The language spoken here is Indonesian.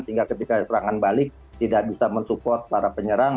sehingga ketika terangan balik tidak bisa men support para penyerang